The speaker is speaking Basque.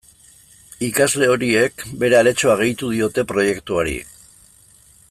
Ikasle horiek bere aletxoa gehitu diote proiektuari.